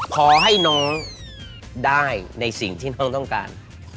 ขอให้น้องได้ในสิ่งที่น้องต้องการ